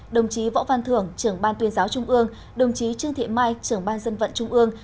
đồng chí võ văn thưởng trưởng ban tuyên giáo trung ương đồng chí trương thị mai trưởng ban dân vận trung ương